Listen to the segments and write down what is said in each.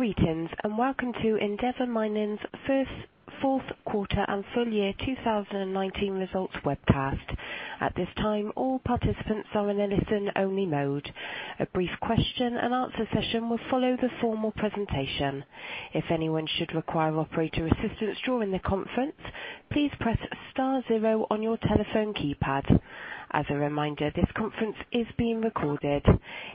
Greetings, and welcome to Endeavour Mining's first fourth quarter and full year 2019 results webcast. At this time, all participants are in a listen-only mode. A brief question-and-answer session will follow the formal presentation. If anyone should require operator assistance during the conference, please press star zero on your telephone keypad. As a reminder, this conference is being recorded.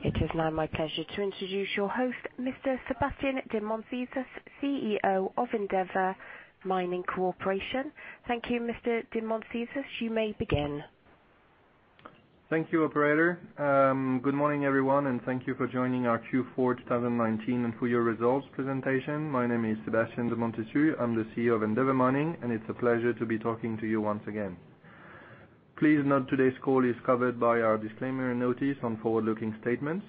It is now my pleasure to introduce your host, Mr. Sébastien de Montessus, CEO of Endeavour Mining plc. Thank you, Mr. de Montessus, you may begin. Thank you, operator. Good morning, everyone, and thank you for joining our Q4 2019 and full-year results presentation. My name is Sébastien de Montessus, I'm the CEO of Endeavour Mining. It's a pleasure to be talking to you once again. Please note today's call is covered by our disclaimer notice on forward-looking statements.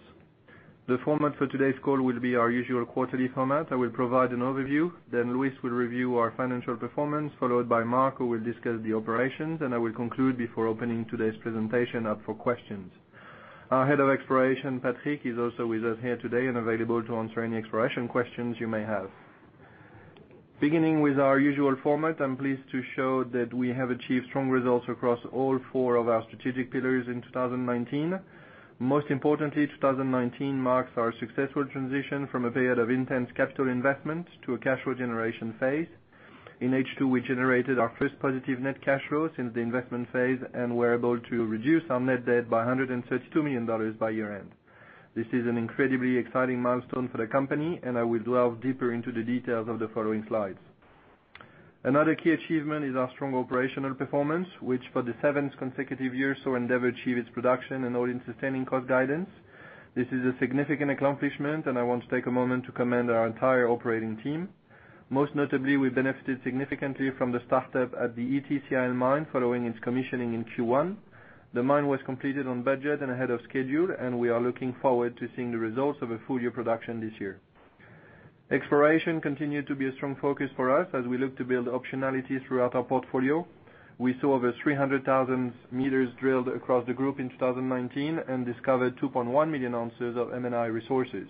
The format for today's call will be our usual quarterly format. I will provide an overview. Luis will review our financial performance, followed by Mark, who will discuss the operations. I will conclude before opening today's presentation up for questions. Our Head of Exploration, Patrick, is also with us here today and available to answer any exploration questions you may have. Beginning with our usual format, I'm pleased to show that we have achieved strong results across all four of our strategic pillars in 2019. Most importantly, 2019 marks our successful transition from a period of intense capital investment to a cash flow generation phase. In H2, we generated our first positive net cash flow since the investment phase, and were able to reduce our net debt by $132 million by year-end. This is an incredibly exciting milestone for the company, and I will delve deeper into the details on the following slides. Another key achievement is our strong operational performance, which for the seventh consecutive year saw Endeavour achieve its production and all-in sustaining cost guidance. This is a significant accomplishment, and I want to take a moment to commend our entire operating team. Most notably, we benefited significantly from the startup at the Ity mine following its commissioning in Q1. The mine was completed on budget and ahead of schedule, and we are looking forward to seeing the results of a full year production this year. Exploration continued to be a strong focus for us as we look to build optionality throughout our portfolio. We saw over 300,000 meters drilled across the group in 2019 and discovered 2.1 million ounces of M&I resources.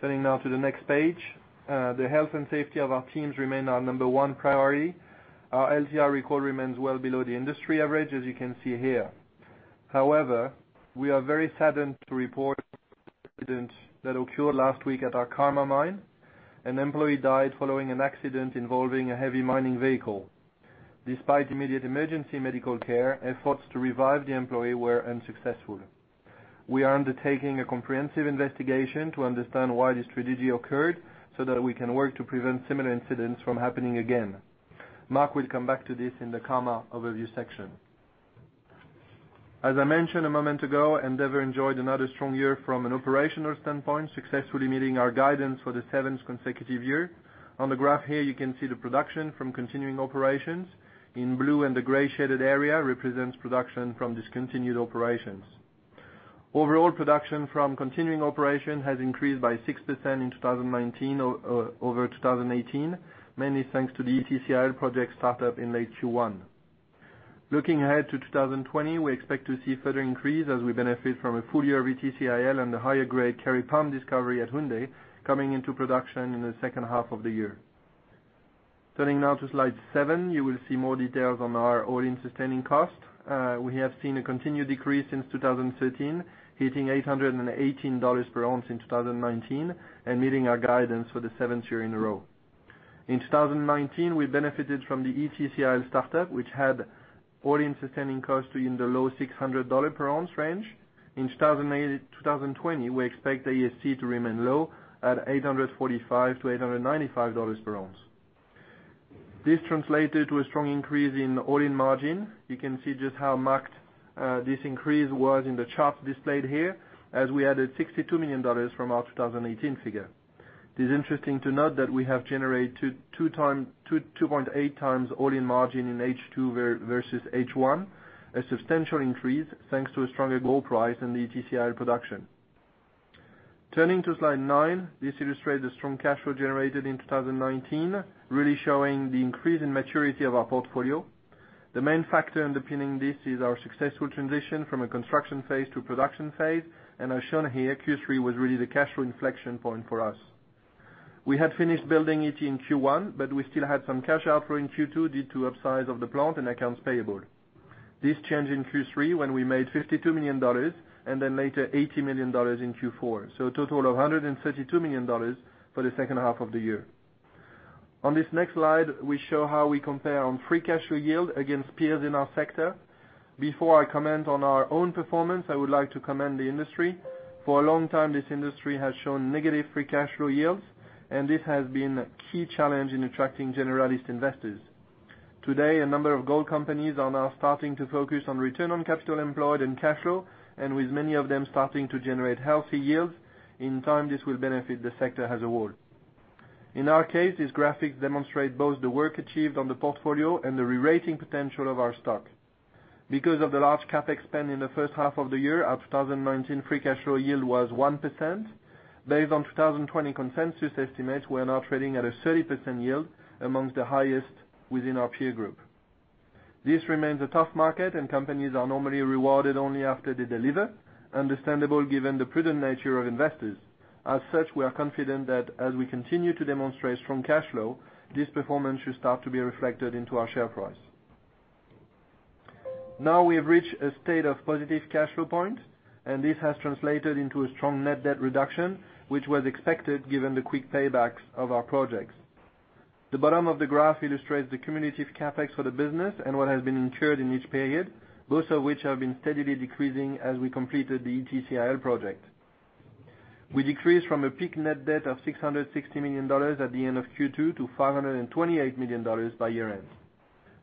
Turning now to the next page. The health and safety of our teams remain our number one priority. Our LTIFR record remains well below the industry average, as you can see here. However, we are very saddened to report incident that occurred last week at our Karma mine. An employee died following an accident involving a heavy mining vehicle. Despite immediate emergency medical care, efforts to revive the employee were unsuccessful. We are undertaking a comprehensive investigation to understand why this tragedy occurred, so that we can work to prevent similar incidents from happening again. Mark will come back to this in the Karma overview section. As I mentioned a moment ago, Endeavour enjoyed another strong year from an operational standpoint, successfully meeting our guidance for the seventh consecutive year. On the graph here, you can see the production from continuing operations in blue, and the gray shaded area represents production from discontinued operations. Overall production from continuing operation has increased by 6% in 2019 over 2018, mainly thanks to the Ity CIL project startup in late Q1. Looking ahead to 2020, we expect to see further increase as we benefit from a full year of Ity CIL and the higher-grade Kari Mine discovery at Houndé coming into production in the second half of the year. Turning now to slide seven, you will see more details on our all-in sustaining cost. We have seen a continued decrease since 2013, hitting $818 per ounce in 2019 and meeting our guidance for the seventh year in a row. In 2019, we benefited from the Ity CIL startup, which had all-in sustaining costs in the low $600 per ounce range. In 2020, we expect the AISC to remain low, at $845-$895 per ounce. This translated to a strong increase in all-in margin. You can see just how marked this increase was in the chart displayed here, as we added $62 million from our 2018 figure. It is interesting to note that we have generated 2.8x all-in margin in H2 versus H1, a substantial increase thanks to a stronger gold price in the Ity CIL production. Turning to slide nine, this illustrates the strong cash flow generated in 2019, really showing the increase in maturity of our portfolio. The main factor underpinning this is our successful transition from a construction phase to a production phase, and as shown here, Q3 was really the cash flow inflection point for us. We had finished building it in Q1, but we still had some cash outflow in Q2 due to upsize of the plant and accounts payable. This changed in Q3, when we made $52 million, and then later $80 million in Q4. A total of $132 million for the second half of the year. On this next slide, we show how we compare on free cash flow yield against peers in our sector. Before I comment on our own performance, I would like to commend the industry. For a long time, this industry has shown negative free cash flow yields, and this has been a key challenge in attracting generalist investors. Today, a number of gold companies are now starting to focus on return on capital employed and cash flow, and with many of them starting to generate healthy yields, in time, this will benefit the sector as a whole. In our case, these graphics demonstrate both the work achieved on the portfolio and the rerating potential of our stock. Because of the large CapEx spend in the first half of the year, our 2019 free cash flow yield was 1%. Based on 2020 consensus estimates, we're now trading at a 30% yield, amongst the highest within our peer group. This remains a tough market, and companies are normally rewarded only after they deliver, understandable, given the prudent nature of investors. As such, we are confident that as we continue to demonstrate strong cash flow, this performance should start to be reflected into our share price. We have reached a state of positive cash flow point, and this has translated into a strong net debt reduction, which was expected given the quick paybacks of our projects. The bottom of the graph illustrates the cumulative CapEx for the business and what has been incurred in each period, both of which have been steadily decreasing as we completed the Ity CIL project. We decreased from a peak net debt of $660 million at the end of Q2 to $528 million by year end.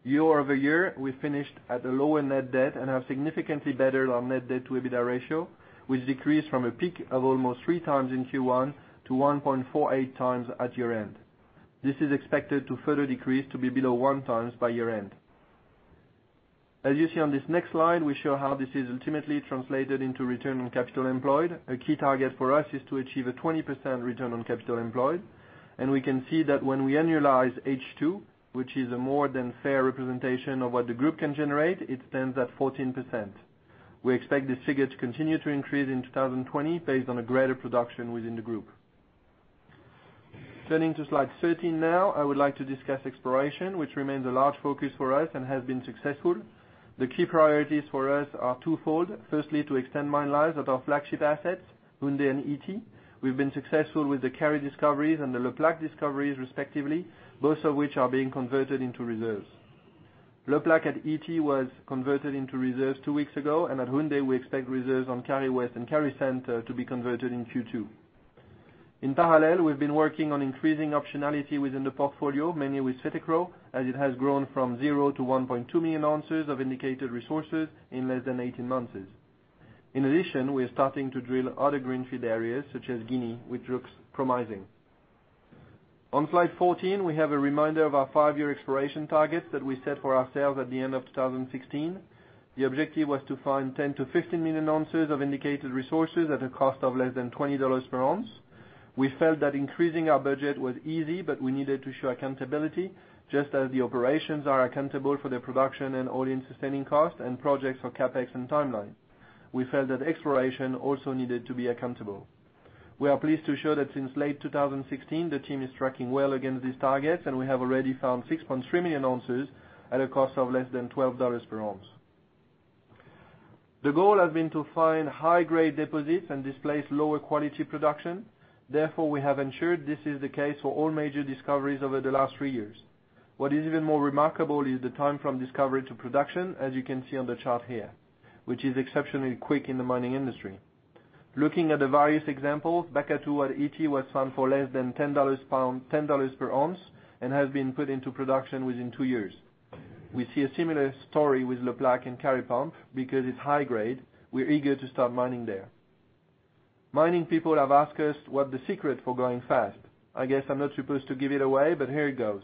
Year-over-year, we finished at a lower net debt and have significantly bettered our net debt to EBITDA ratio, which decreased from a peak of almost 3x in Q1 to 1.48x at year end. This is expected to further decrease to be below one times by year end. As you see on this next slide, we show how this is ultimately translated into return on capital employed. A key target for us is to achieve a 20% return on capital employed, and we can see that when we annualize H2, which is a more than fair representation of what the group can generate, it stands at 14%. We expect this figure to continue to increase in 2020 based on a greater production within the group. Turning to slide 13 now, I would like to discuss exploration, which remains a large focus for us and has been successful. The key priorities for us are twofold. Firstly, to extend mine life at our flagship assets, Houndé and Ity. We've been successful with the Kari discoveries and the Le Plaque discoveries respectively, both of which are being converted into reserves. Le Plaque at Ity was converted into reserves two weeks ago, and at Houndé, we expect reserves on Kari West and Kari Center to be converted in Q2. In parallel, we've been working on increasing optionality within the portfolio, mainly with Fetekro, as it has grown from zero to 1.2 million ounces of indicated resources in less than 18 months. In addition, we are starting to drill other greenfield areas such as Guinea, which looks promising. On slide 14, we have a reminder of our five-year exploration targets that we set for ourselves at the end of 2016. The objective was to find 10 million-15 million ounces of indicated resources at a cost of less than $20 per ounce. We felt that increasing our budget was easy. We needed to show accountability just as the operations are accountable for their production and all-in sustaining costs and projects for CapEx and timeline. We felt that exploration also needed to be accountable. We are pleased to show that since late 2016, the team is tracking well against these targets, and we have already found 6.3 million ounces at a cost of less than $12 per ounce. The goal has been to find high-grade deposits and displace lower quality production. Therefore, we have ensured this is the case for all major discoveries over the last three years. What is even more remarkable is the time from discovery to production, as you can see on the chart here, which is exceptionally quick in the mining industry. Looking at the various examples, Bakatouo at Ity was found for less than $10 per ounce and has been put into production within two years. We see a similar story with Le Plaque and Kari Pump because it's high grade. We're eager to start mining there. Mining people have asked us what the secret for going fast. I guess I'm not supposed to give it away, but here it goes.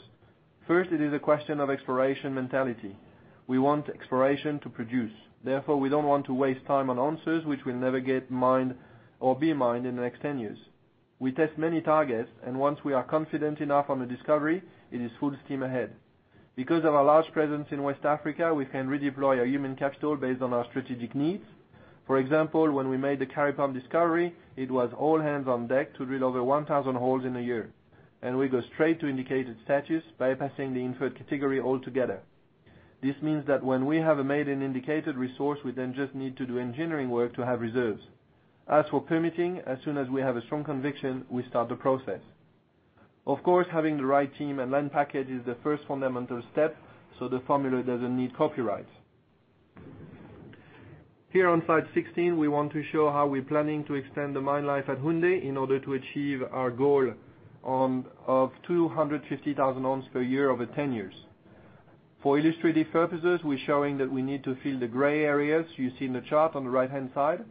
First, it is a question of exploration mentality. We want exploration to produce. We don't want to waste time on ounces, which will never get mined or be mined in the next 10 years. We test many targets, and once we are confident enough on the discovery, it is full steam ahead. Because of our large presence in West Africa, we can redeploy our human capital based on our strategic needs. For example, when we made the Kari Pump discovery, it was all hands on deck to drill over 1,000 holes in a year. We go straight to indicated status, bypassing the inferred category altogether. This means that when we have made an indicated resource, we then just need to do engineering work to have reserves. As for permitting, as soon as we have a strong conviction, we start the process. Of course, having the right team and land package is the first fundamental step, so the formula doesn't need copyrights. Here on slide 16, we want to show how we're planning to extend the mine life at Houndé in order to achieve our goal of 250,000 ounce per year over 10 years. For illustrative purposes, we're showing that we need to fill the gray areas you see in the chart on the right-hand side.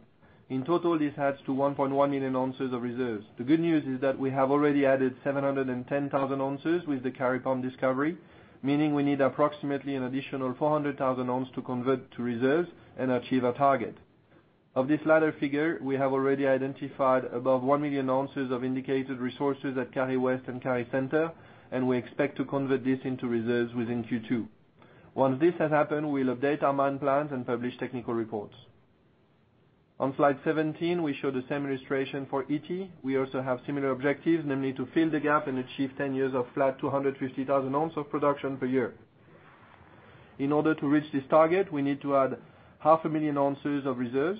In total, this adds to 1.1 million ounces of reserves. The good news is that we have already added 710,000 ounces with the Kari Pump discovery, meaning we need approximately an additional 400,000 ounce to convert to reserves and achieve our target. Of this latter figure, we have already identified above 1 million ounces of indicated resources at Kari West and Kari Center. We expect to convert this into reserves within Q2. Once this has happened, we'll update our mine plans and publish technical reports. On slide 17, we show the same illustration for Ity. We also have similar objectives, namely to fill the gap and achieve 10 years of flat 250,000 ounce of production per year. In order to reach this target, we need to add half a million ounces of reserves.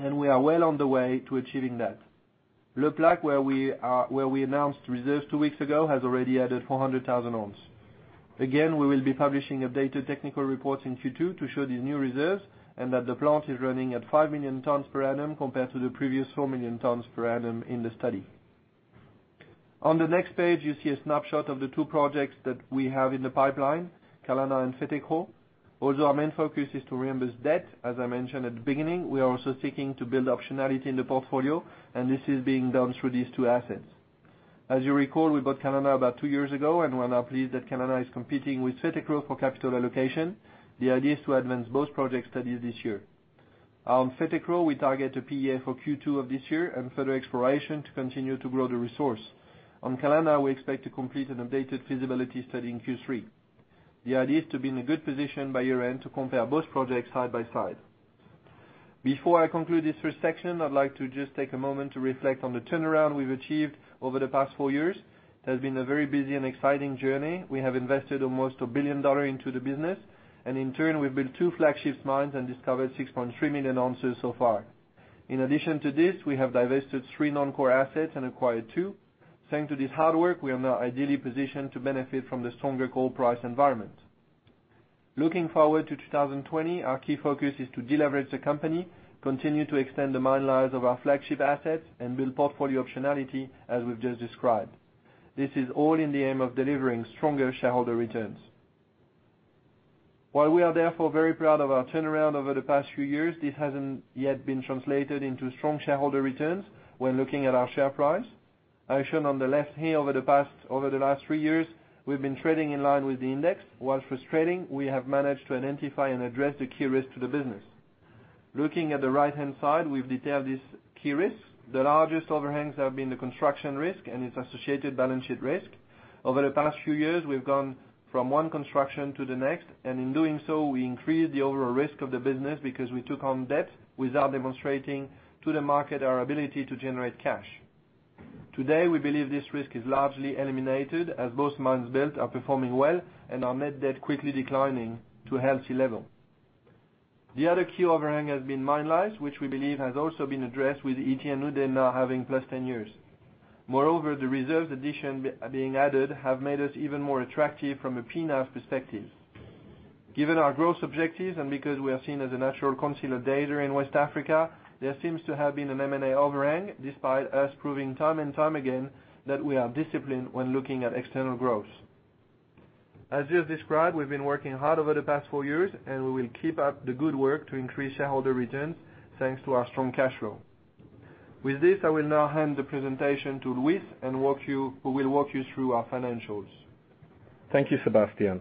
We are well on the way to achieving that. Le Plaque, where we announced reserves two weeks ago, has already added 400,000 ounces. We will be publishing updated technical reports in Q2 to show these new reserves and that the plant is running at 5 million tons per annum compared to the previous 4 million tons per annum in the study. On the next page, you see a snapshot of the two projects that we have in the pipeline, Kalana and Fetekro. Although our main focus is to reimburse debt, as I mentioned at the beginning, we are also seeking to build optionality in the portfolio, and this is being done through these two assets. As you recall, we bought Kalana about two years ago and we are now pleased that Kalana is competing with Fetekro for capital allocation. The idea is to advance both project studies this year. On Fetekro, we target a PEA for Q2 of this year and further exploration to continue to grow the resource. On Kalana, we expect to complete an updated feasibility study in Q3. The idea is to be in a good position by year-end to compare both projects side by side. Before I conclude this first section, I'd like to just take a moment to reflect on the turnaround we've achieved over the past four years. It has been a very busy and exciting journey. We have invested almost $1 billion into the business, and in turn, we've built two flagship mines and discovered 6.3 million ounces so far. In addition to this, we have divested three non-core assets and acquired two. Thanks to this hard work, we are now ideally positioned to benefit from the stronger gold price environment. Looking forward to 2020, our key focus is to deleverage the company, continue to extend the mine lives of our flagship assets, and build portfolio optionality as we've just described. This is all in the aim of delivering stronger shareholder returns. While we are therefore very proud of our turnaround over the past few years, this hasn't yet been translated into strong shareholder returns when looking at our share price. As shown on the left here, over the last three years, we've been trading in line with the index. While frustrating, we have managed to identify and address the key risks to the business. Looking at the right-hand side, we've detailed these key risks. The largest overhangs have been the construction risk and its associated balance sheet risk. Over the past few years, we've gone from one construction to the next, and in doing so, we increased the overall risk of the business because we took on debt without demonstrating to the market our ability to generate cash. Today, we believe this risk is largely eliminated as both mines built are performing well and our net debt quickly declining to a healthy level. The other key overhang has been mine lives, which we believe has also been addressed with Ity and Houndé now having plus 10 years. The reserves addition being added have made us even more attractive from a P/NAV perspective. Given our growth objectives and because we are seen as a natural consolidator in West Africa, there seems to have been an M&A overhang despite us proving time and time again that we are disciplined when looking at external growth. As just described, we've been working hard over the past four years, we will keep up the good work to increase shareholder returns thanks to our strong cash flow. With this, I will now hand the presentation to Louis, who will walk you through our financials. Thank you, Sébastien.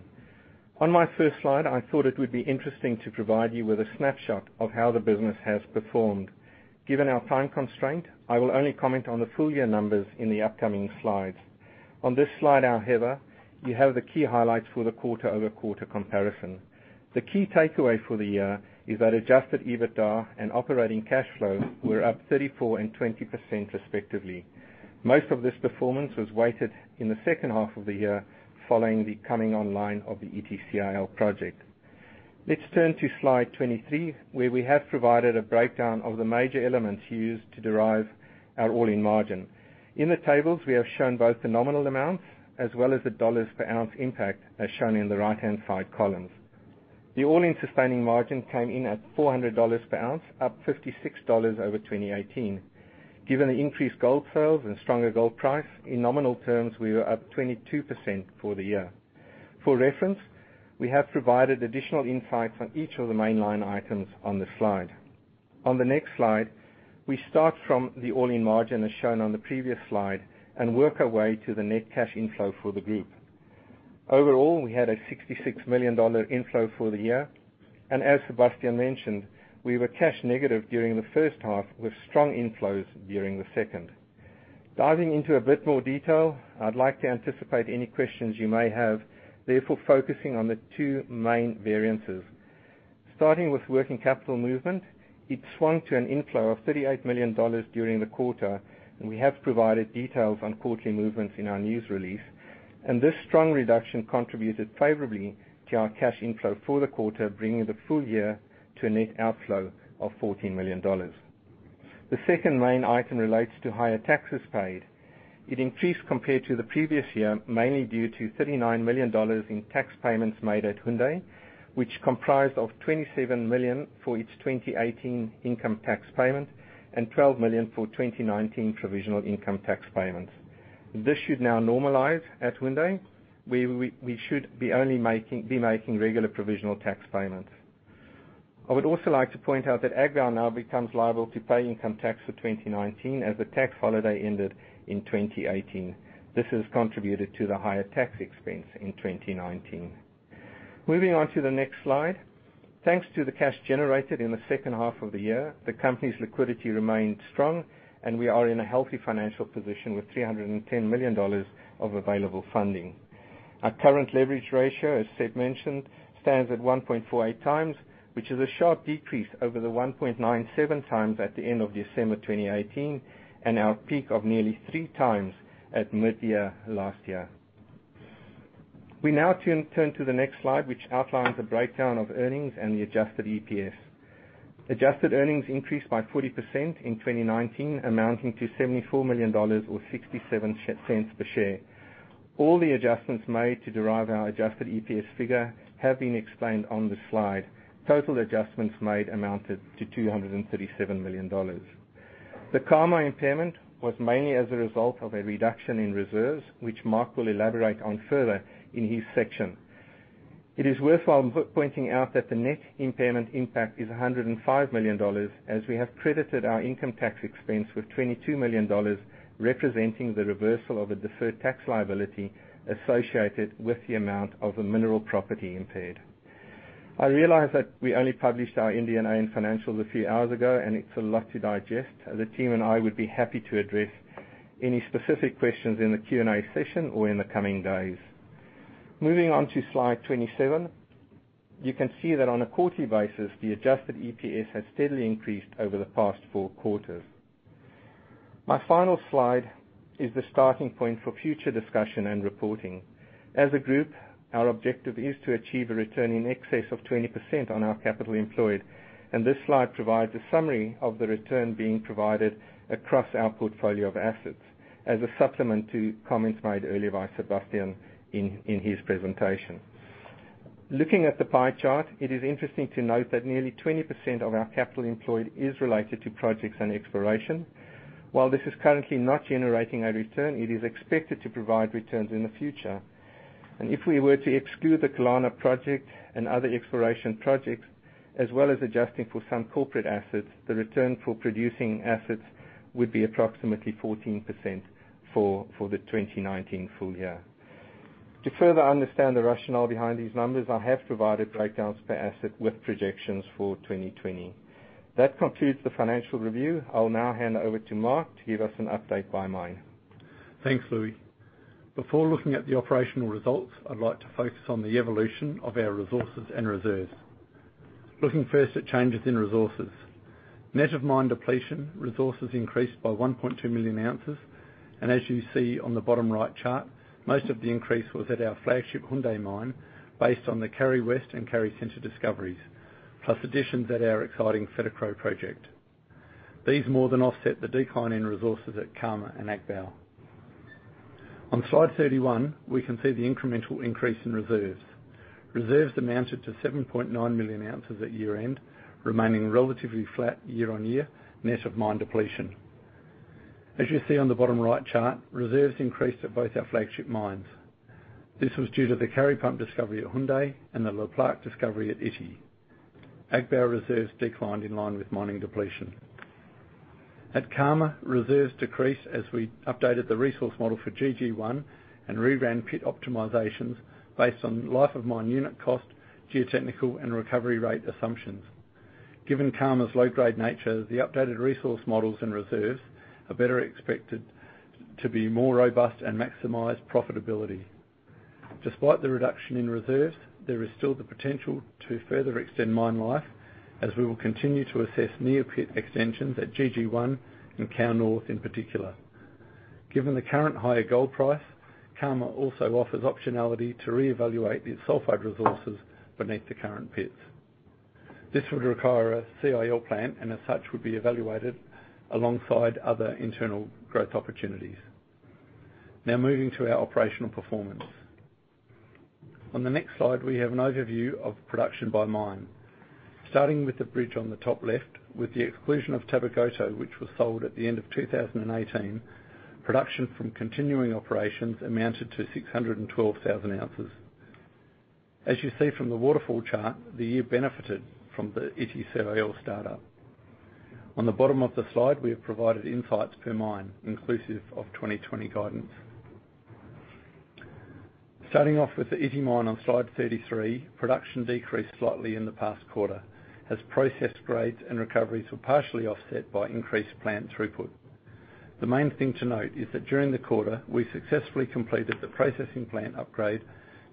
On my first slide, I thought it would be interesting to provide you with a snapshot of how the business has performed. Given our time constraint, I will only comment on the full year numbers in the upcoming slides. On this slide, however, you have the key highlights for the quarter-over-quarter comparison. The key takeaway for the year is that adjusted EBITDA and operating cash flow were up 34% and 20% respectively. Most of this performance was weighted in the second half of the year following the coming online of the Ity CIL project. Let's turn to slide 23, where we have provided a breakdown of the major elements used to derive our all-in margin. In the tables, we have shown both the nominal amounts as well as the dollars per ounce impact, as shown in the right-hand side columns. The all-in sustaining margin came in at $400 per ounce, up $56 over 2018. Given the increased gold sales and stronger gold price, in nominal terms, we were up 22% for the year. For reference, we have provided additional insight on each of the main line items on this slide. On the next slide, we start from the all-in margin as shown on the previous slide and work our way to the net cash inflow for the group. Overall, we had a $66 million inflow for the year, and as Sébastien mentioned, we were cash negative during the first half with strong inflows during the second. Diving into a bit more detail, I'd like to anticipate any questions you may have, therefore, focusing on the two main variances. Starting with working capital movement, it swung to an inflow of $38 million during the quarter. We have provided details on quarterly movements in our news release. This strong reduction contributed favorably to our cash inflow for the quarter, bringing the full year to a net outflow of $14 million. The second main item relates to higher taxes paid. It increased compared to the previous year, mainly due to $39 million in tax payments made at Houndé, which comprised of $27 million for its 2018 income tax payment and $12 million for 2019 provisional income tax payments. This should now normalize at Houndé, where we should be making regular provisional tax payments. I would also like to point out that Agbaou now becomes liable to pay income tax for 2019 as the tax holiday ended in 2018. This has contributed to the higher tax expense in 2019. Moving on to the next slide. Thanks to the cash generated in the second half of the year, the company's liquidity remained strong, and we are in a healthy financial position with $310 million of available funding. Our current leverage ratio, as Seb mentioned, stands at 1.48 times, which is a sharp decrease over the 1.97 times at the end of December 2018 and our peak of nearly three times at mid-year last year. We now turn to the next slide, which outlines the breakdown of earnings and the adjusted EPS. Adjusted earnings increased by 40% in 2019, amounting to $74 million or $0.67 per share. All the adjustments made to derive our adjusted EPS figure have been explained on this slide. Total adjustments made amounted to $237 million. The Karma impairment was mainly as a result of a reduction in reserves, which Mark will elaborate on further in his section. It is worthwhile pointing out that the net impairment impact is $105 million, as we have credited our income tax expense with $22 million, representing the reversal of a deferred tax liability associated with the amount of a mineral property impaired. I realize that we only published our India Nine financials a few hours ago, and it's a lot to digest. The team and I would be happy to address any specific questions in the Q&A session or in the coming days. Moving on to slide 27, you can see that on a quarterly basis, the adjusted EPS has steadily increased over the past four quarters. My final slide is the starting point for future discussion and reporting. As a group, our objective is to achieve a return in excess of 20% on our capital employed. This slide provides a summary of the return being provided across our portfolio of assets as a supplement to comments made earlier by Sébastien in his presentation. Looking at the pie chart, it is interesting to note that nearly 20% of our capital employed is related to projects and exploration. While this is currently not generating a return, it is expected to provide returns in the future. If we were to exclude the Kalana project and other exploration projects, as well as adjusting for some corporate assets, the return for producing assets would be approximately 14% for the 2019 full year. To further understand the rationale behind these numbers, I have provided breakdowns per asset with projections for 2020. That concludes the financial review. I'll now hand over to Mark to give us an update by mine. Thanks, Louis. Before looking at the operational results, I'd like to focus on the evolution of our resources and reserves. Looking first at changes in resources. Net of mine depletion, resources increased by 1.2 million ounces, and as you see on the bottom right chart, most of the increase was at our flagship Houndé mine based on the Kari West and Kari Center discoveries, plus additions at our exciting Fetekro project. These more than offset the decline in resources at Karma and Agbaou. On Slide 31, we can see the incremental increase in reserves. Reserves amounted to 7.9 million ounces at year-end, remaining relatively flat year-over-year net of mine depletion. As you see on the bottom right chart, reserves increased at both our flagship mines. This was due to the Kari Pump discovery at Houndé and the Le Plaque discovery at Ity. Agbaou reserves declined in line with mining depletion. At Karma, reserves decreased as we updated the resource model for GG1 and reran pit optimizations based on life of mine unit cost, geotechnical, and recovery rate assumptions. Given Karma's low-grade nature, the updated resource models and reserves are better expected to be more robust and maximize profitability. Despite the reduction in reserves, there is still the potential to further extend mine life as we will continue to assess near pit extensions at GG1 and Kao North in particular. Given the current higher gold price, Karma also offers optionality to reevaluate its sulfide resources beneath the current pits. This would require a CIL plant, and as such, would be evaluated alongside other internal growth opportunities. Moving to our operational performance. On the next slide, we have an overview of production by mine. Starting with the bridge on the top left, with the exclusion of Tabakoto, which was sold at the end of 2018, production from continuing operations amounted to 612,000 ounces. As you see from the waterfall chart, the year benefited from the Ity CIL start-up. On the bottom of the slide, we have provided insights per mine, inclusive of 2020 guidance. Starting off with the Ity mine on Slide 33, production decreased slightly in the past quarter as processed grades and recoveries were partially offset by increased plant throughput. The main thing to note is that during the quarter, we successfully completed the processing plant upgrade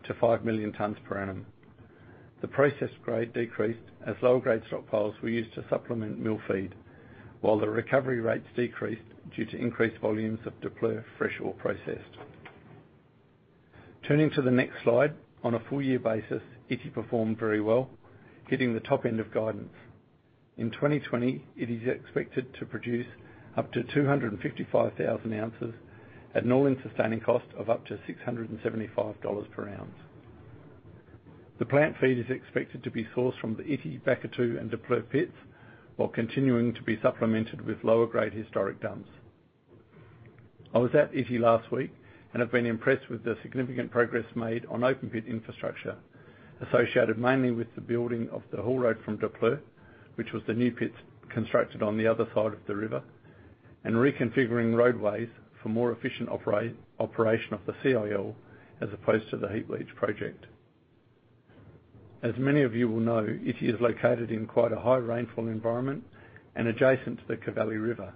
to 5 million tons per annum. The processed grade decreased as lower-grade stockpiles were used to supplement mill feed, while the recovery rates decreased due to increased volumes of Daapleu fresh ore processed. Turning to the next slide, on a full-year basis, Ity performed very well, hitting the top end of guidance. In 2020, Ity's expected to produce up to 255,000 ounces at an all-in sustaining cost of up to $675 per ounce. The plant feed is expected to be sourced from the Ity, Bakatouo, and Daapleu pits, while continuing to be supplemented with lower-grade historic dumps. I was at Ity last week and have been impressed with the significant progress made on open pit infrastructure, associated mainly with the building of the haul road from Daapleu, which was the new pits constructed on the other side of the river, and reconfiguring roadways for more efficient operation of the CIL as opposed to the heap leach project. As many of you will know, Ity is located in quite a high rainfall environment and adjacent to the Cavally River,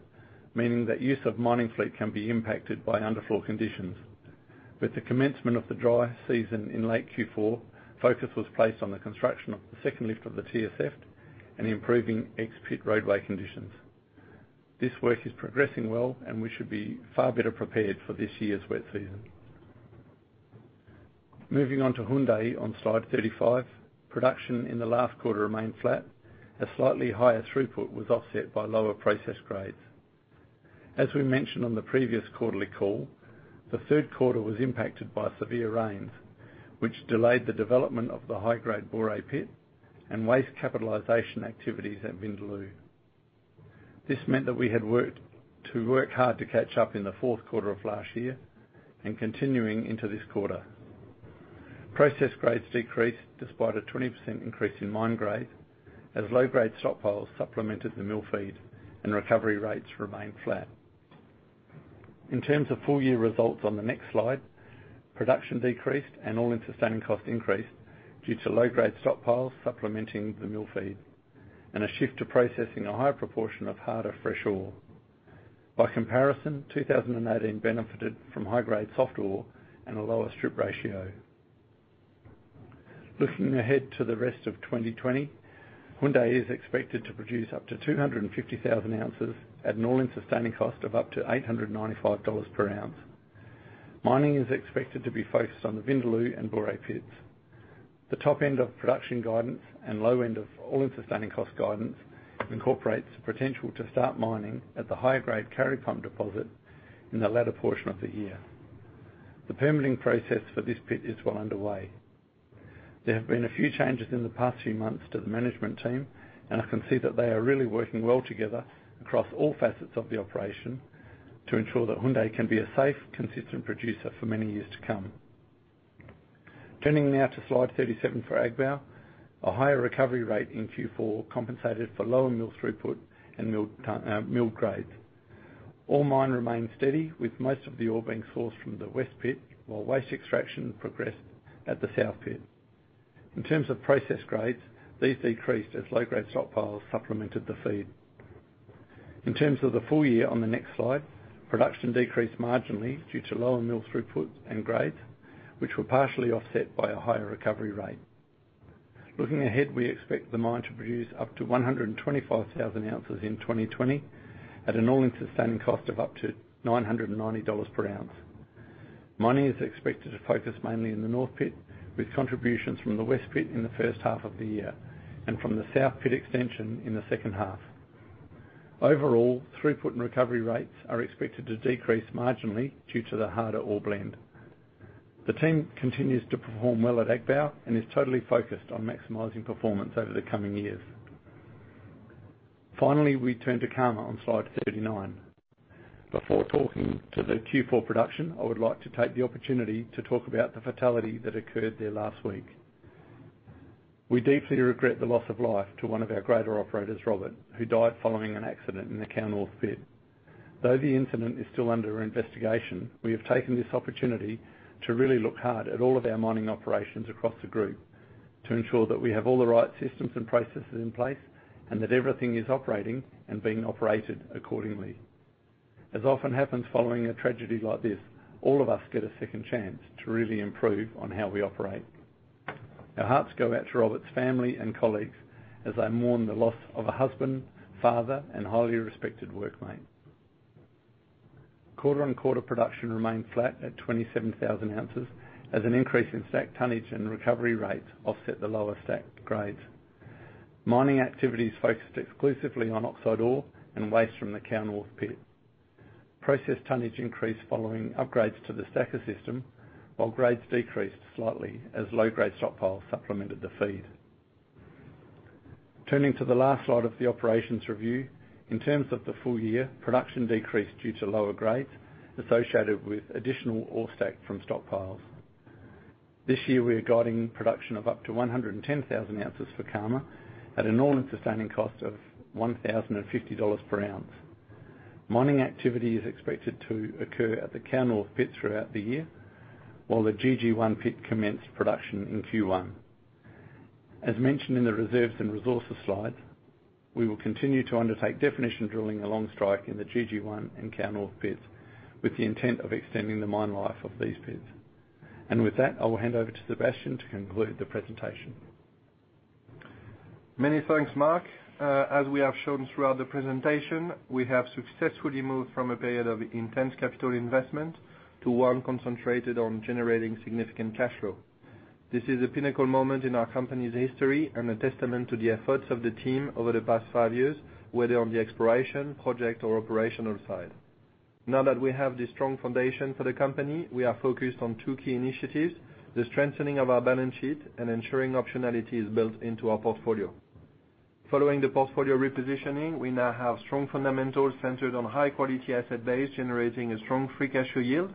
meaning that use of mining fleet can be impacted by underfloor conditions. With the commencement of the dry season in late Q4, focus was placed on the construction of the second lift of the TSF and improving ex-pit roadway conditions. This work is progressing well, and we should be far better prepared for this year's wet season. Moving on to Houndé on Slide 35. Production in the last quarter remained flat. A slightly higher throughput was offset by lower processed grades. As we mentioned on the previous quarterly call, the third quarter was impacted by severe rains, which delayed the development of the high-grade Bouéré pit and waste capitalization activities at Vindaloo. This meant that we had to work hard to catch up in the fourth quarter of last year and continuing into this quarter. Processed grades decreased despite a 20% increase in mine grade, as low-grade stockpiles supplemented the mill feed and recovery rates remained flat. In terms of full-year results on the next slide, production decreased and all-in sustaining cost increased due to low-grade stockpiles supplementing the mill feed and a shift to processing a higher proportion of harder fresh ore. By comparison, 2018 benefited from high-grade soft ore and a lower strip ratio. Looking ahead to the rest of 2020, Houndé is expected to produce up to 250,000 ounces at an all-in sustaining cost of up to $895 per ounce. Mining is expected to be focused on the Vindaloo and Bouéré pits. The top end of production guidance and low end of all-in sustaining cost guidance incorporates the potential to start mining at the higher-grade Kari Pump deposit in the latter portion of the year. The permitting process for this pit is well underway. I can see that they are really working well together across all facets of the operation to ensure that Houndé can be a safe, consistent producer for many years to come. Turning now to slide 37 for Agbaou. A higher recovery rate in Q4 compensated for lower mill throughput and mill grades. Ore mine remained steady, with most of the ore being sourced from the west pit, while waste extraction progressed at the south pit. In terms of process grades, these decreased as low-grade stockpiles supplemented the feed. In terms of the full year on the next slide, production decreased marginally due to lower mill throughput and grades, which were partially offset by a higher recovery rate. Looking ahead, we expect the mine to produce up to 125,000 ounces in 2020 at an all-in sustaining cost of up to $990 per ounce. Mining is expected to focus mainly in the north pit, with contributions from the west pit in the first half of the year and from the south pit extension in the second half. Overall, throughput and recovery rates are expected to decrease marginally due to the harder ore blend. The team continues to perform well at Agbaou and is totally focused on maximizing performance over the coming years. Finally, we turn to Karma on slide 39. Before talking to the Q4 production, I would like to take the opportunity to talk about the fatality that occurred there last week. We deeply regret the loss of life to one of our grader operators, Robert, who died following an accident in the Kao pit. Though the incident is still under investigation, we have taken this opportunity to really look hard at all of our mining operations across the group to ensure that we have all the right systems and processes in place and that everything is operating and being operated accordingly. As often happens following a tragedy like this, all of us get a second chance to really improve on how we operate. Our hearts go out to Robert's family and colleagues as they mourn the loss of a husband, father, and highly respected workmate. Quarter-on-quarter production remained flat at 27,000 ounces as an increase in stacked tonnage and recovery rates offset the lower stacked grades. Mining activities focused exclusively on oxide ore and waste from the Kao pit. Process tonnage increased following upgrades to the stacker system, while grades decreased slightly as low-grade stockpiles supplemented the feed. Turning to the last slide of the operations review. In terms of the full year, production decreased due to lower grades associated with additional ore stacked from stockpiles. This year, we are guiding production of up to 110,000 ounces for Karma at an all-in sustaining cost of $1,050 per ounce. Mining activity is expected to occur at the Kao pit throughout the year, while the GG1 pit commenced production in Q1. As mentioned in the reserves and resources slide, we will continue to undertake definition drilling along strike in the GG1 and Cowork pits with the intent of extending the mine life of these pits. With that, I will hand over to Sébastien to conclude the presentation. Many thanks, Mark. As we have shown throughout the presentation, we have successfully moved from a period of intense capital investment to one concentrated on generating significant cash flow. This is a pinnacle moment in our company's history and a testament to the efforts of the team over the past five years, whether on the exploration, project, or operational side. Now that we have this strong foundation for the company, we are focused on two key initiatives, the strengthening of our balance sheet and ensuring optionality is built into our portfolio. Following the portfolio repositioning, we now have strong fundamentals centered on high-quality asset base, generating a strong free cash flow yield.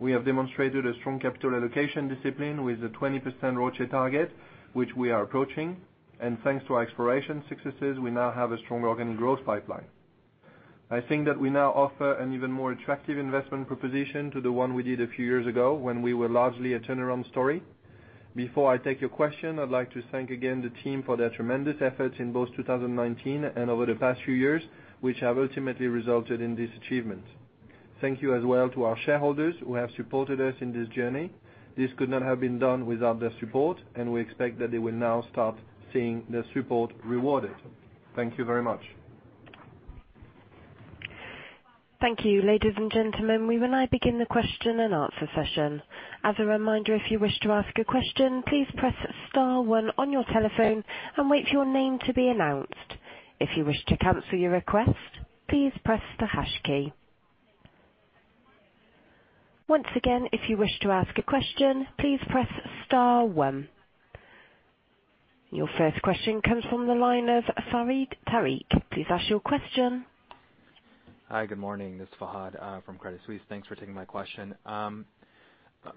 We have demonstrated a strong capital allocation discipline with a 20% ROCE target, which we are approaching. Thanks to our exploration successes, we now have a strong organic growth pipeline. I think that we now offer an even more attractive investment proposition to the one we did a few years ago when we were largely a turnaround story. Before I take your question, I'd like to thank again the team for their tremendous efforts in both 2019 and over the past few years, which have ultimately resulted in this achievement. Thank you as well to our shareholders who have supported us in this journey. This could not have been done without their support, and we expect that they will now start seeing their support rewarded. Thank you very much. Thank you. Ladies and gentlemen, we will now begin the question-and-answer session. As a reminder, if you wish to ask a question, please press star one on your telephone and wait for your name to be announced. If you wish to cancel your request, please press the hash key. Once again, if you wish to ask a question, please press star one. Your first question comes from the line of Fahad Tariq. Please ask your question. Hi, good morning. This is Fahad from Credit Suisse. Thanks for taking my question.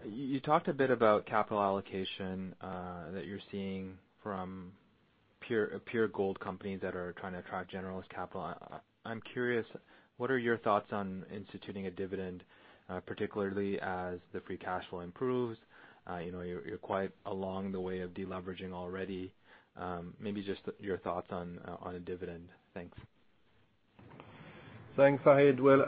You talked a bit about capital allocation that you're seeing from pure gold companies that are trying to attract generalist capital. I'm curious, what are your thoughts on instituting a dividend, particularly as the free cash flow improves? You're quite along the way of de-leveraging already. Maybe just your thoughts on a dividend. Thanks. Thanks, Fahad. Well,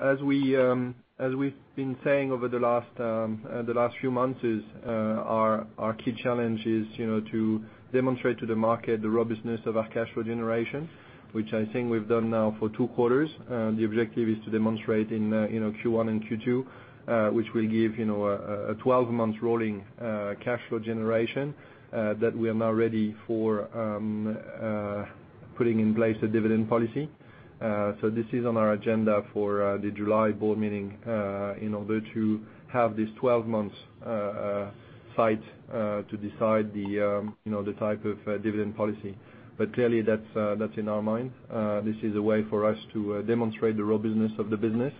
as we've been saying over the last few months is our key challenge is to demonstrate to the market the robustness of our cash flow generation, which I think we've done now for two quarters. The objective is to demonstrate in Q1 and Q2, which will give a 12-month rolling cash flow generation that we are now ready for putting in place a dividend policy. This is on our agenda for the July board meeting, in order to have this 12 months sight to decide the type of dividend policy. Clearly that's in our mind. This is a way for us to demonstrate the robustness of the business,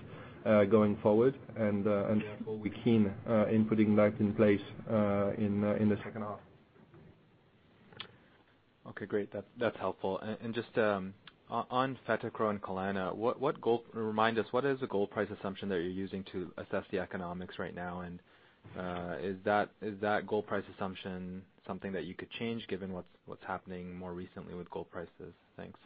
going forward and therefore we're keen in putting that in place in the second half. Okay, great. That's helpful. Just on Fetekro and Kalana, remind us, what is the gold price assumption that you're using to assess the economics right now? Is that gold price assumption something that you could change given what's happening more recently with gold prices? Thanks.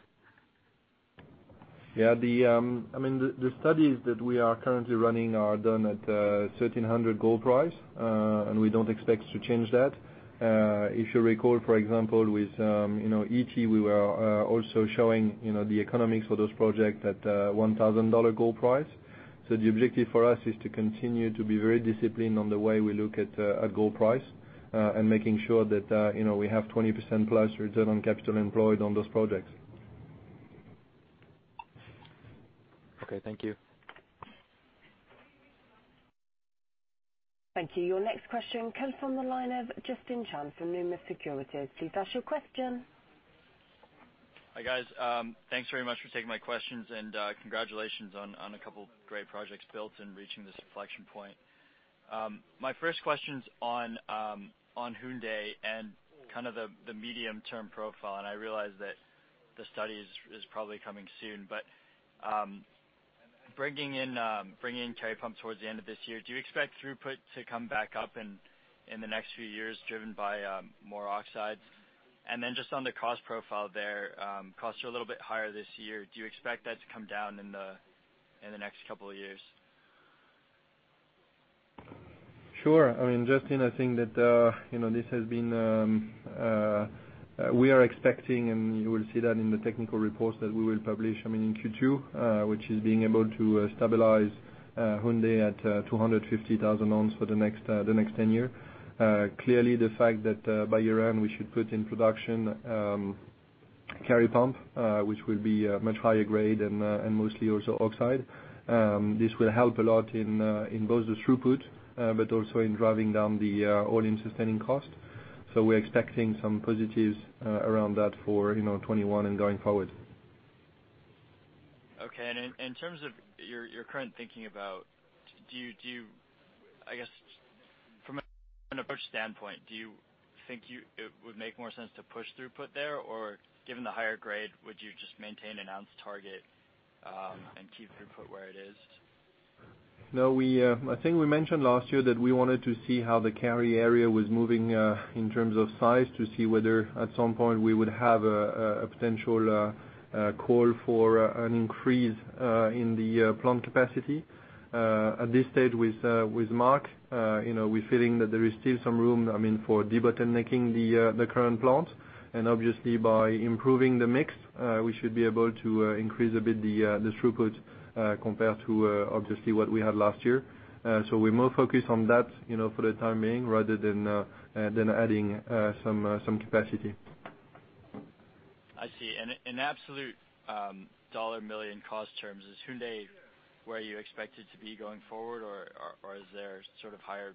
Yeah. The studies that we are currently running are done at $1,300 gold price. We don't expect to change that. If you recall, for example, with Ity, we were also showing the economics for those projects at $1,000 gold price. The objective for us is to continue to be very disciplined on the way we look at gold price, and making sure that we have 20% plus return on capital employed on those projects. Okay, thank you. Thank you. Your next question comes from the line of Justin Chan from Numis Securities. Please ask your question. Hi, guys. Thanks very much for taking my questions and congratulations on a couple of great projects built and reaching this inflection point. My first question's on Houndé and the medium term profile. I realize that the study is probably coming soon. Bringing in Kari Pump towards the end of this year, do you expect throughput to come back up in the next few years driven by more oxides? Just on the cost profile there, costs are a little bit higher this year. Do you expect that to come down in the next couple of years? Sure. Justin, I think that we are expecting, and you will see that in the technical reports that we will publish in Q2, which is being able to stabilize Houndé at 250,000 ounces for the next 10 years. Clearly, the fact that by year-end, we should put in production Kari Pump, which will be a much higher grade and mostly also oxide. This will help a lot in both the throughput, but also in driving down the all-in sustaining cost. We're expecting some positives around that for 2021 and going forward. Okay. In terms of your current thinking about, from an approach standpoint, do you think it would make more sense to push throughput there, or given the higher grade, would you just maintain an ounce target and keep throughput where it is? No. I think we mentioned last year that we wanted to see how the Kari area was moving, in terms of size, to see whether at some point we would have a potential call for an increase in the plant capacity. At this stage with Mark, we're feeling that there is still some room for debottlenecking the current plant. Obviously by improving the mix, we should be able to increase a bit the throughput compared to obviously what we had last year. We're more focused on that for the time being rather than adding some capacity. I see. In absolute U.S. dollar million cost terms, is Houndé where you expect it to be going forward or is there higher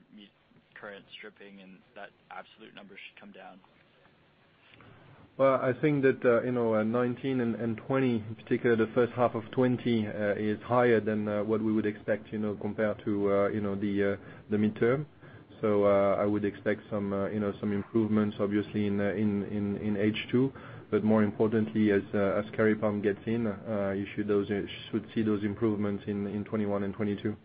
current stripping and that absolute number should come down? Well, I think that 2019 and 2020 in particular, the first half of 2020 is higher than what we would expect compared to the midterm. I would expect some improvements obviously in H2, but more importantly as Kari Pump gets in, you should see those improvements in 2021 and 2022.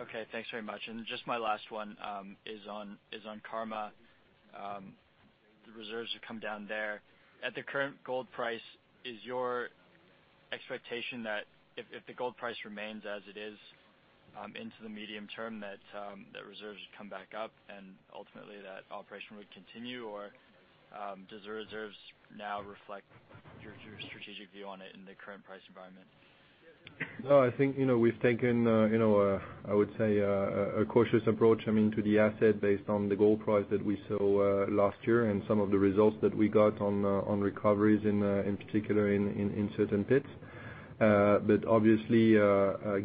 Okay, thanks very much. Just my last one is on Karma. The reserves have come down there. At the current gold price, is your expectation that if the gold price remains as it is into the medium term, that reserves come back up and ultimately that operation would continue? Do the reserves now reflect your strategic view on it in the current price environment? No, I think we've taken, I would say, a cautious approach to the asset based on the gold price that we saw last year and some of the results that we got on recoveries in particular in certain pits. Obviously,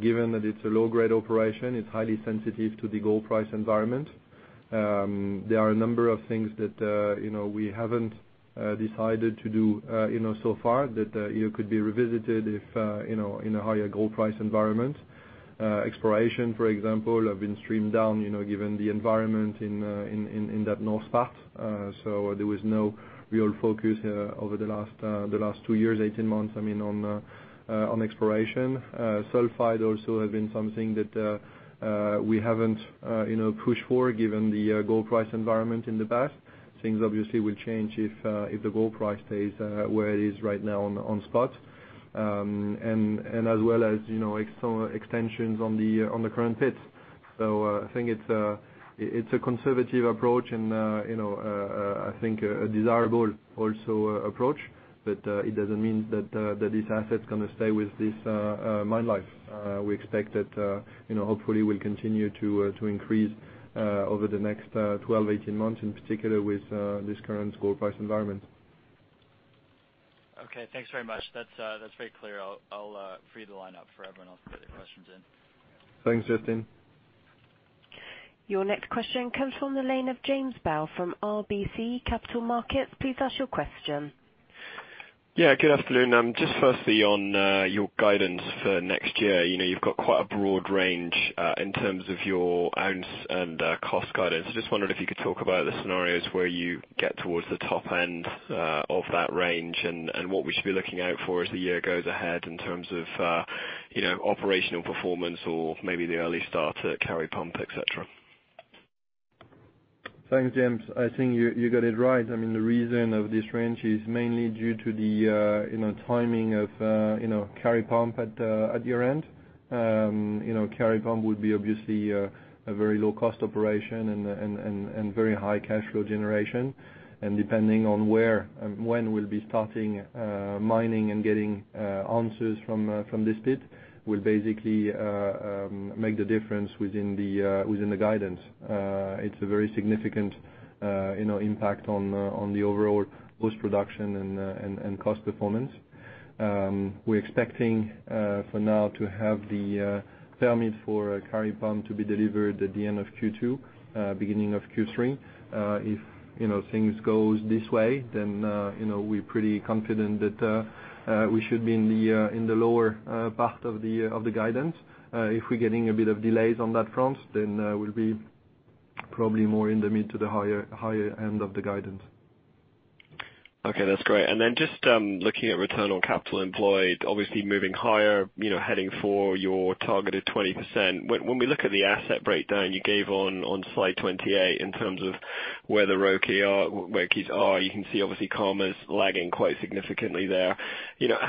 given that it's a low-grade operation, it's highly sensitive to the gold price environment. There are a number of things that we haven't decided to do so far that could be revisited in a higher gold price environment. Exploration, for example, has been streamed down given the environment in that north part. There was no real focus over the last 18 months on exploration. Sulfide also has been something that we haven't pushed for, given the gold price environment in the past. Things obviously will change if the gold price stays where it is right now on spot, as well as extensions on the current pits. I think it's a conservative approach and I think a desirable approach, but it doesn't mean that this asset is going to stay with this mine life. We expect that hopefully we'll continue to increase over the next 12, 18 months, in particular, with this current gold price environment. Okay. Thanks very much. That's very clear. I'll free the line up for everyone else to get their questions in. Thanks, Justin. Your next question comes from the line of James Bell from RBC Capital Markets. Please ask your question. Good afternoon. Firstly, on your guidance for next year. You've got quite a broad range in terms of your ounce and cost guidance. I wondered if you could talk about the scenarios where you get towards the top end of that range and what we should be looking out for as the year goes ahead in terms of operational performance or maybe the early start at Kari Pump, et cetera. Thanks, James. I think you got it right. The reason for this range is mainly due to the timing of Kari Pump at year-end. Kari Pump would be obviously a very low-cost operation and very high cash flow generation. Depending on when we'll be starting mining and getting ounces from this pit will basically make the difference within the guidance. It's a very significant impact on the overall post-production and cost performance. We're expecting for now to have the permit for Kari Pump to be delivered at the end of Q2, beginning of Q3. If things go this way, we're pretty confident that we should be in the lower part of the guidance. If we're getting a bit of delays on that front, we'll be probably more in the mid to the higher end of the guidance. Okay, that's great. Just looking at return on capital employed, obviously moving higher, heading for your targeted 20%. When we look at the asset breakdown you gave on Slide 28 in terms of where the ROCEs are, you can see obviously Karma's lagging quite significantly there.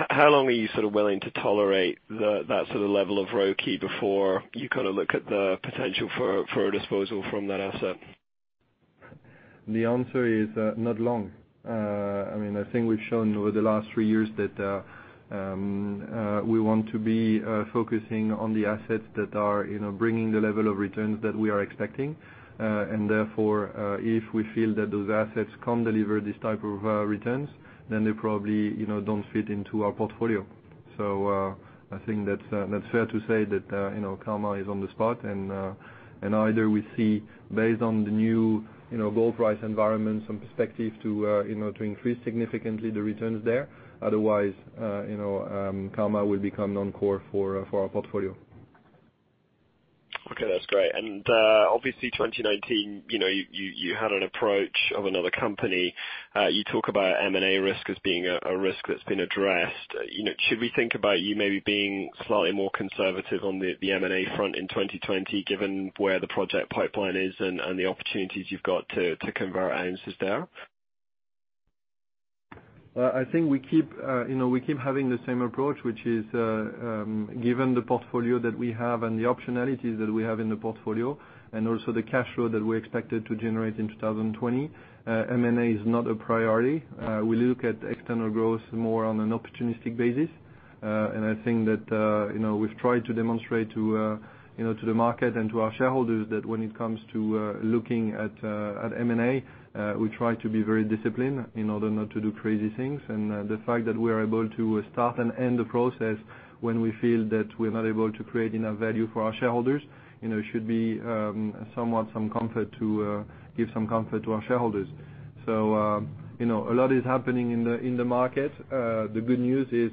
How long are you willing to tolerate that sort of level of ROCE before you look at the potential for a disposal from that asset? The answer is not long. I think we've shown over the last three years that we want to be focusing on the assets that are bringing the level of returns that we are expecting. Therefore, if we feel that those assets can't deliver this type of returns, then they probably don't fit into our portfolio. I think that's fair to say that Karma is on the spot, and either we see based on the new gold price environment, some perspective to increase significantly the returns there. Otherwise, Karma will become non-core for our portfolio. Okay, that's great. Obviously 2019, you had an approach of another company. You talk about M&A risk as being a risk that's been addressed. Should we think about you maybe being slightly more conservative on the M&A front in 2020, given where the project pipeline is and the opportunities you've got to convert ounces there? I think we keep having the same approach, which is given the portfolio that we have and the optionalities that we have in the portfolio and also the cash flow that we expected to generate in 2020, M&A is not a priority. We look at external growth more on an opportunistic basis. I think that we've tried to demonstrate to the market and to our shareholders that when it comes to looking at M&A, we try to be very disciplined in order not to do crazy things. The fact that we are able to start and end the process when we feel that we're not able to create enough value for our shareholders, should give some comfort to our shareholders. A lot is happening in the market. The good news is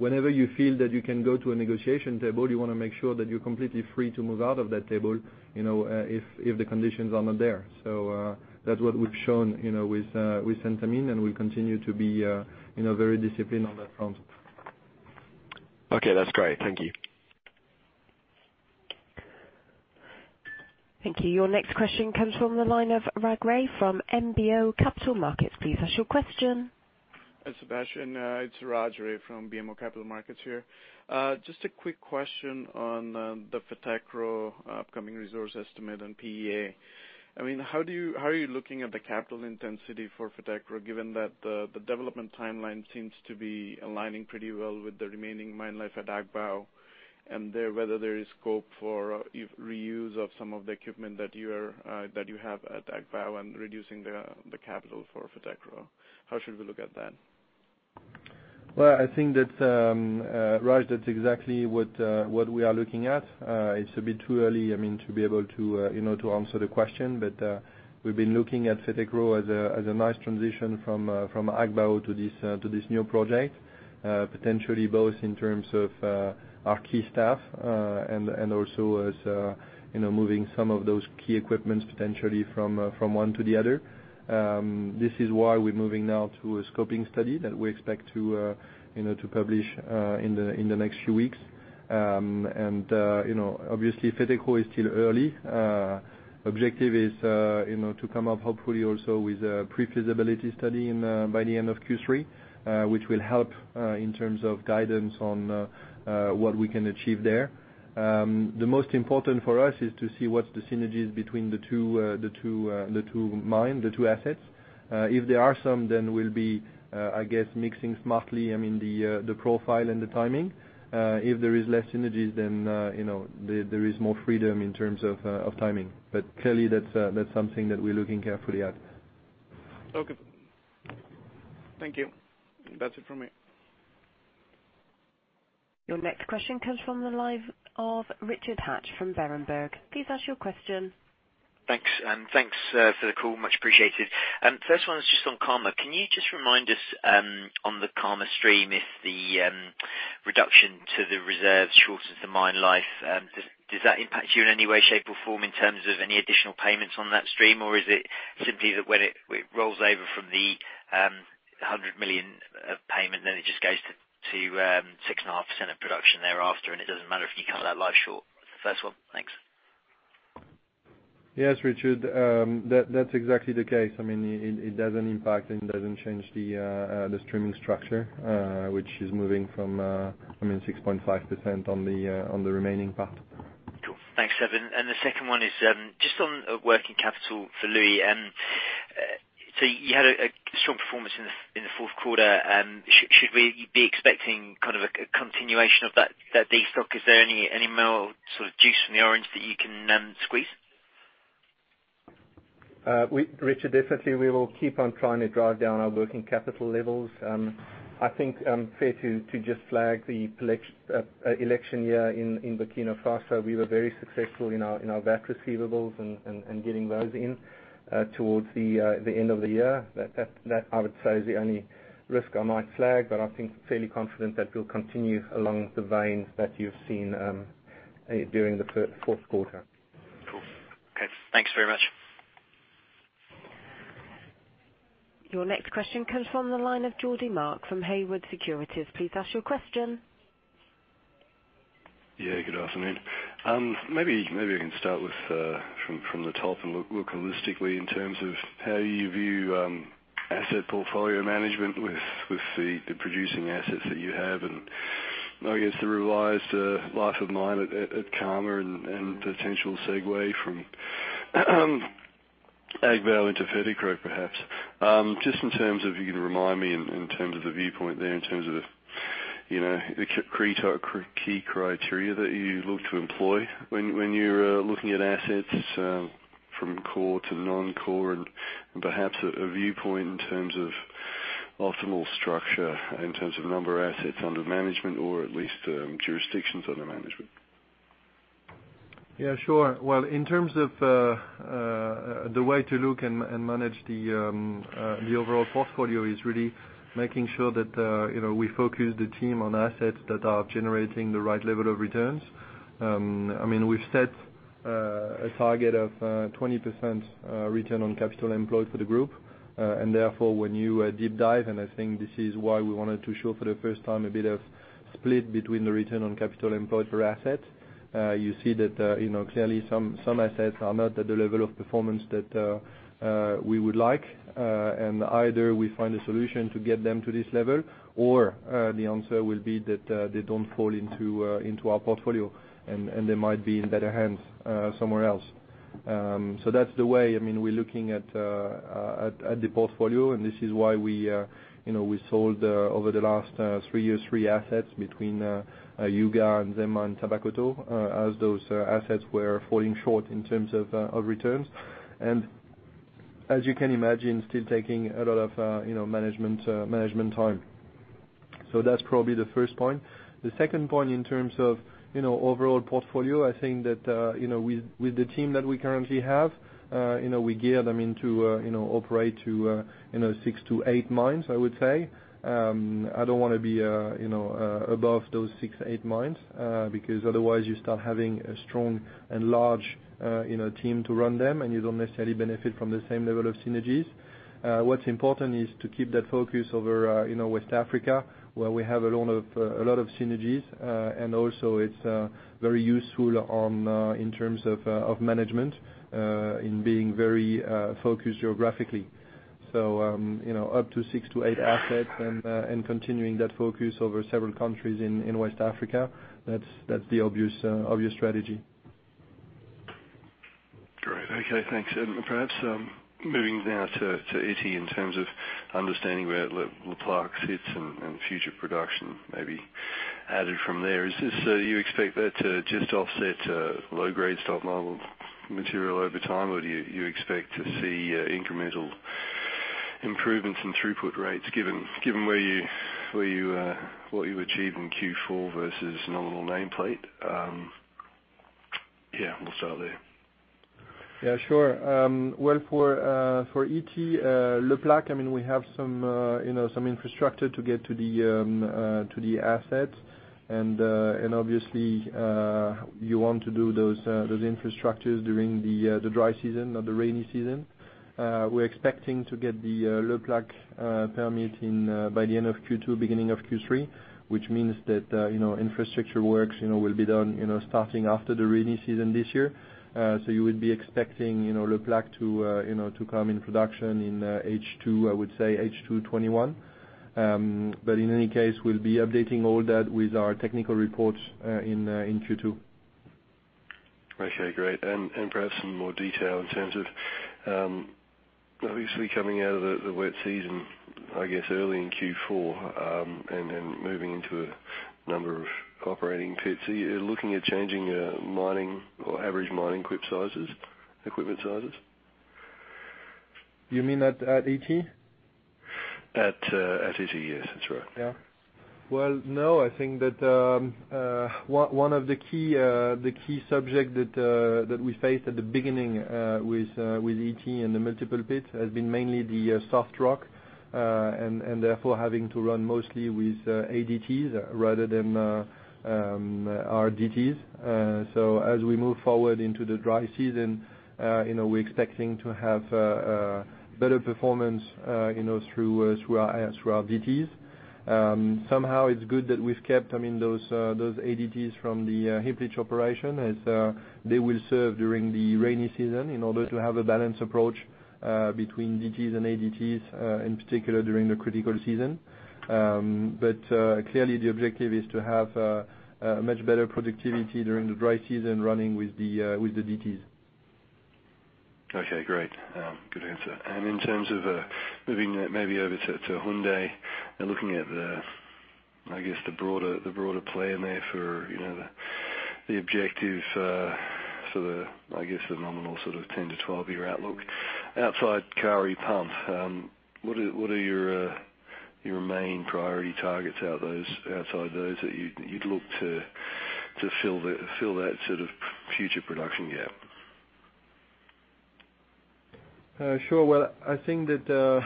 whenever you feel that you can go to a negotiation table, you want to make sure that you're completely free to move out of that table, if the conditions are not there. That's what we've shown with Centamin, and we continue to be very disciplined on that front. Okay, that's great. Thank you. Thank you. Your next question comes from the line of Raj Ray from BMO Capital Markets. Please ask your question. Hi, Sébastien. It's Raj Ray from BMO Capital Markets here. Just a quick question on the Fetekro upcoming resource estimate and PEA. How are you looking at the capital intensity for Fetekro, given that the development timeline seems to be aligning pretty well with the remaining mine life at Agbaou? Whether there is scope for reuse of some of the equipment that you have at Agbaou and reducing the capital for Fetekro. How should we look at that? I think that, Raj, that's exactly what we are looking at. It's a bit too early to be able to answer the question, but we've been looking at Fetekro as a nice transition from Agbaou to this new project, potentially both in terms of our key staff and also as moving some of those key equipments potentially from one to the other. This is why we're moving now to a scoping study that we expect to publish in the next few weeks. Obviously Fetekro is still early. Objective is to come up, hopefully, also with a pre-feasibility study by the end of Q3, which will help in terms of guidance on what we can achieve there. The most important for us is to see what's the synergies between the two mine, the two assets. If there are some, we'll be mixing smartly the profile and the timing. If there is less synergies, then there is more freedom in terms of timing. Clearly that's something that we're looking carefully at. Okay. Thank you. That's it from me. Your next question comes from the line of Richard Hatch from Berenberg. Please ask your question. Thanks. Thanks for the call, much appreciated. First one is just on Karma. Can you just remind us on the Karma stream if the reduction to the reserves shortens the mine life? Does that impact you in any way, shape, or form in terms of any additional payments on that stream, or is it simply that when it rolls over from the $100 million of payment, then it just goes to 6.5% of production thereafter and it doesn't matter if you cut that life short? First one. Thanks. Yes, Richard. That's exactly the case. It doesn't impact and it doesn't change the streaming structure, which is moving from 6.5% on the remaining part. Cool. Thanks, Seb. The second one is just on working capital for Louis. You had a strong performance in the fourth quarter. Should we be expecting a continuation of that destock? Is there any more juice from the orange that you can squeeze? Richard, definitely we will keep on trying to drive down our working capital levels. I think fair to just flag the election year in Burkina Faso. We were very successful in our VAT receivables and getting those in towards the end of the year. That, I would say, is the only risk I might flag, but I think fairly confident that will continue along the vein that you've seen during the fourth quarter. Cool. Okay. Thanks very much. Your next question comes from the line of Kerry Mark from Haywood Securities. Please ask your question. Yeah, good afternoon. Maybe I can start from the top and look holistically in terms of how you view asset portfolio management with the producing assets that you have and I guess the revised life of mine at Karma and potential segue from Agbaou into Fetekro perhaps. Just in terms of, you can remind me in terms of the viewpoint there, in terms of the key criteria that you look to employ when you're looking at assets from core to non-core and perhaps a viewpoint in terms of optimal structure, in terms of number of assets under management or at least jurisdictions under management. Yeah, sure. Well, in terms of the way to look and manage the overall portfolio is really making sure that we focus the team on assets that are generating the right level of returns. We've set a target of 20% return on capital employed for the group. Therefore, when you deep dive, and I think this is why we wanted to show for the first time a bit of split between the return on capital employed per asset. You see that clearly some assets are not at the level of performance that we would like. Either we find a solution to get them to this level or the answer will be that they don't fall into our portfolio and they might be in better hands somewhere else. That's the way we're looking at the portfolio, and this is why we sold over the last three years, three assets between Youga and Nzema and Tabakoto, as those assets were falling short in terms of returns. As you can imagine, still taking a lot of management time. That's probably the first point. The second point in terms of overall portfolio, I think that with the team that we currently have, we geared them in to operate to six to eight mines, I would say. I don't want to be above those six to eight mines, because otherwise you start having a strong and large team to run them, and you don't necessarily benefit from the same level of synergies. What's important is to keep that focus over West Africa, where we have a lot of synergies. Also it's very useful in terms of management, in being very focused geographically. Up to six to eight assets and continuing that focus over several countries in West Africa, that's the obvious strategy. Great. Okay, thanks. Perhaps moving now to Ity in terms of understanding where Le Plaque sits and future production maybe added from there. Do you expect that to just offset low-grade stock model material over time? Or do you expect to see incremental improvements in throughput rates, given what you achieved in Q4 versus nominal nameplate? Yeah, we'll start there. Yeah, sure. Well, for Ity, Le Plaque, we have some infrastructure to get to the asset. Obviously, you want to do those infrastructures during the dry season, not the rainy season. We're expecting to get the Le Plaque permit by the end of Q2, beginning of Q3, which means that infrastructure works will be done starting after the rainy season this year. You would be expecting Le Plaque to come in production in H2, I would say H2 2021. In any case, we'll be updating all that with our technical reports in Q2. Okay, great. Perhaps some more detail in terms of, obviously coming out of the wet season, I guess early in Q4, and moving into a number of operating pits. Are you looking at changing your average mining equipment sizes? You mean at Ity? At Ity, yes, that's right. No, I think that one of the key subjects that we faced at the beginning with Ity and the multiple pits has been mainly the soft rock, and therefore having to run mostly with ADTs rather than our DTs. As we move forward into the dry season, we're expecting to have better performance through our DTs. Somehow it's good that we've kept those ADTs from the heap leach operation, as they will serve during the rainy season in order to have a balanced approach between DTs and ADTs, in particular during the critical season. Clearly, the objective is to have a much better productivity during the dry season running with the DTs. Okay, great. Good answer. In terms of moving maybe over to Houndé and looking at the broader plan there for the objective for the nominal 10 to 12-year outlook. Outside Kari Pump, what are your main priority targets outside those that you'd look to fill that sort of future production gap? Sure. Well, I think that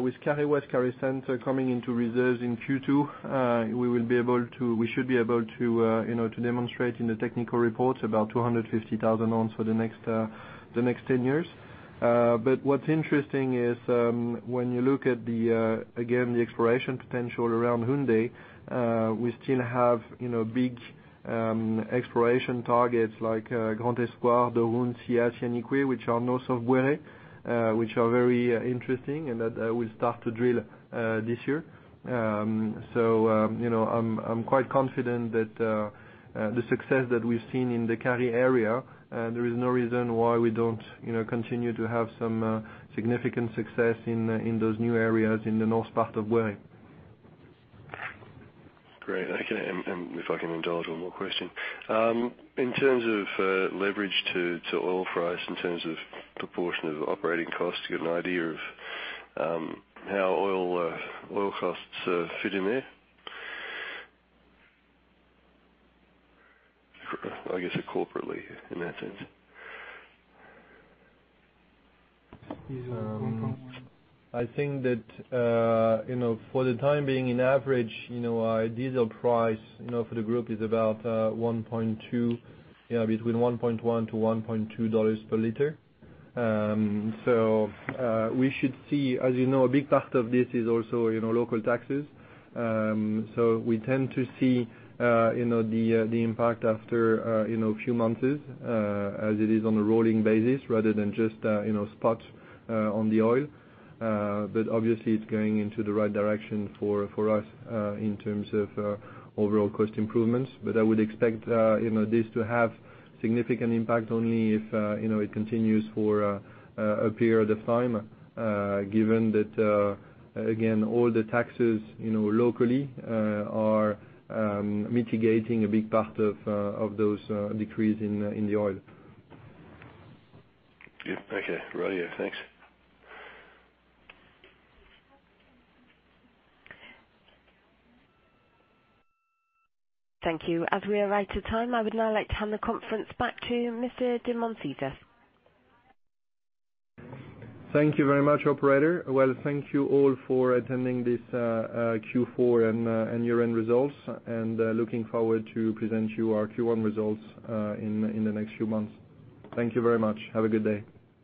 with Kari West, Kari Center coming into reserves in Q2, we should be able to demonstrate in the technical reports about 250,000 ounces for the next 10 years. What's interesting is when you look at the exploration potential around Houndé, we still have big exploration targets like Grand Espoir, Dohoun, Sia, Sianikoui, which are north of Bouéré, which are very interesting and that we'll start to drill this year. I'm quite confident that the success that we've seen in the Kari area, there is no reason why we don't continue to have some significant success in those new areas in the north part of Bouéré. Great. Okay. If I can indulge one more question. In terms of leverage to oil price, in terms of proportion of operating costs, do you have an idea of how oil costs fit in there? I guess corporately in that sense. I think that for the time being, in average, our diesel price for the group is about between $1.1 to $1.2 per liter. As you know, a big part of this is also local taxes. We tend to see the impact after a few months as it is on a rolling basis rather than just spot on the oil. Obviously, it's going into the right direction for us in terms of overall cost improvements. I would expect this to have significant impact only if it continues for a period of time, given that, again, all the taxes locally are mitigating a big part of those decreases in the oil. Okay. Righty-o. Thanks. Thank you. As we are out of time, I would now like to hand the conference back to Mr. de Montessus. Thank you very much, operator. Well, thank you all for attending this Q4 and year-end results, and looking forward to present you our Q1 results in the next few months. Thank you very much. Have a good day.